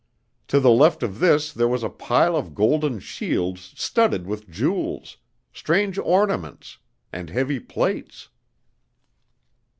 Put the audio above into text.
To the left of this there was a pile of golden shields studded with jewels, strange ornaments, and heavy plates.